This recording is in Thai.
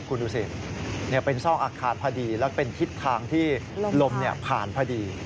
คุณดูสิเป็นซอกอาคารพอดีแล้วเป็นทิศทางที่ลมผ่านพอดี